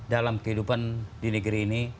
dalam kehidupan di negeri ini